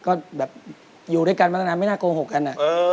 ก็แบบอยู่ด้วยกันเหมือนตอนนี้ไม่น่ากลัวโหกกัน